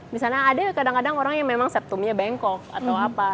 misalnya ada kadang kadang orang yang memang settumnya bengkok atau apa